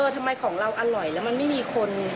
ทำไมของเราอร่อยแล้วมันไม่มีคน